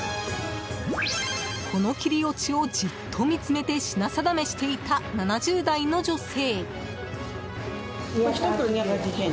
この切り落ちをじっと見つめて品定めしていた、７０代の女性。